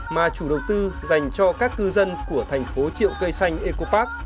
mà chủ đầu tư dành cho các cư dân của thành phố triệu cây xanh eco park